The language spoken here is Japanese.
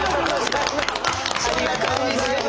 ありがとうございます。